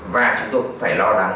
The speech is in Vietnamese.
và chúng tôi cũng phải lo lắng